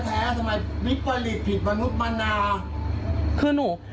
ทำไมวิปริตผิดมนุษย์มนา